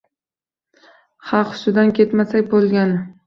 Ha, hushidan ketmasa bo‘lgani…